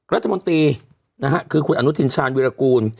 รัฐมนตรีนะครับคุณอนุธิชาญวิกูล